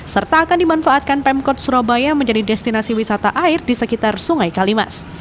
serta akan dimanfaatkan pemkot surabaya menjadi destinasi wisata air di sekitar sungai kalimas